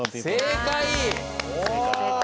正解！